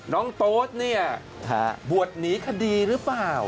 โต๊สเนี่ยบวชหนีคดีหรือเปล่า